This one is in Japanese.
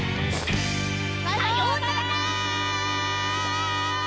さようなら！